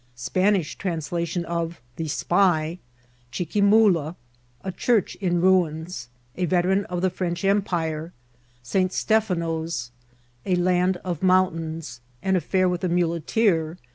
— Spanifh Tranalation of the *' Spy."— Chiqaimnla.— A Chorch in Ruins. —▲ Veteran ol the French Empfae.— St Stephanoe.— A Land of Moontains.— An AiEur with a Muleteer.